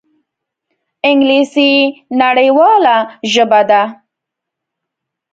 انګلیسي نړیواله ژبه ده